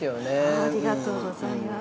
◆ありがとうございます。